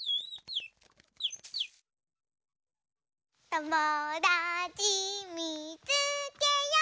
「ともだちみつけよう」